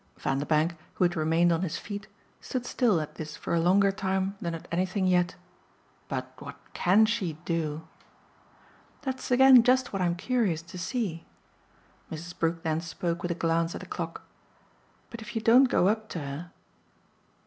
Vanderbank, who had remained on his feet, stood still at this for a longer time than at anything yet. "But what CAN she 'do' ?" "That's again just what I'm curious to see." Mrs. Brook then spoke with a glance at the clock. "But if you don't go up to her